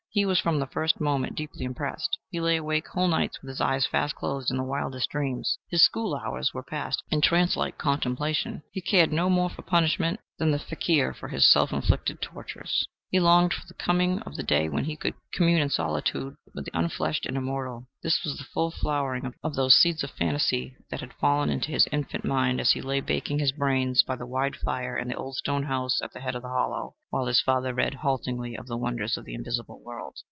He was from the first moment deeply impressed. He lay awake whole nights, with his eyes fast closed, in the wildest dreams. His school hours were passed in trancelike contemplation. He cared no more for punishment than the fakeer for his self inflicted tortures. He longed for the coming of the day when he could commune in solitude with the unfleshed and immortal. This was the full flowering of those seeds of fantasy that had fallen into his infant mind as he lay baking his brains by the wide fire in the old stone house at the head of the hollow, while his father read, haltingly, of the wonders of the invisible world.